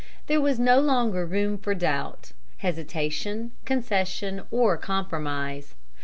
There was no longer room for doubt, hesitation, concession, or compromise.